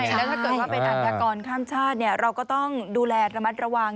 แล้วถ้าเกิดว่าเป็นอัธยากรข้ามชาติเราก็ต้องดูแลระมัดระวัง